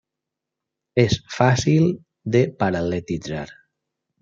És fàcil de paral·lelitzar.